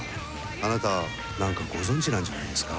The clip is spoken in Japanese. あなた何かご存じなんじゃないですか？